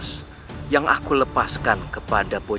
kenapa aku terkena juru